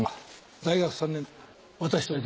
大学３年だ。